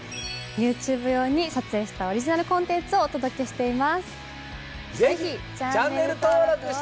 ＹｏｕＴｕｂｅ用に撮影したオリジナルコンテンツをお届けしています。